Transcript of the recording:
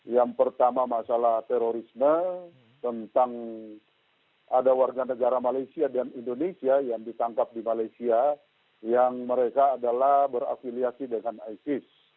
yang pertama masalah terorisme tentang ada warga negara malaysia dan indonesia yang ditangkap di malaysia yang mereka adalah berafiliasi dengan isis